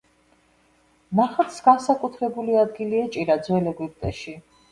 ნახატს განსაკუთრებული ადგილი ეჭირა ძველ ეგვიპტეში.